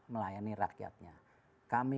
melayani rakyatnya kami